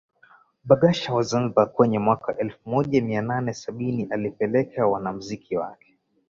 Barghash wa Zanzibar kwenye mwaka elfu moja mia nane sabini alipeleka wanamuziki wake